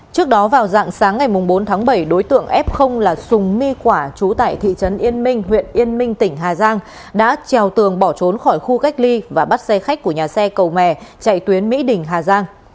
trước đó vào dạng sáng ngày bốn tháng bảy đối tượng f là sùng my quả chú tại thị trấn yên minh huyện yên minh tỉnh hà giang đã trèo tường bỏ trốn khỏi khu cách ly và bắt xe khách của nhà xe cầu mè chạy tuyến mỹ đình hà giang